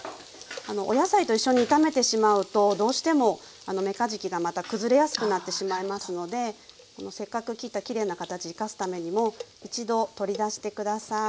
お野菜と一緒に炒めてしまうとどうしてもめかじきがまた崩れやすくなってしまいますのでせっかく切ったきれいな形生かすためにも一度取り出して下さい。